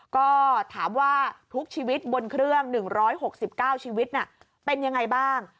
ก็ถามว่าทุกชีวิตบนเครื่อง๑๖๙ชีวิตเป็นยังไงบ้าง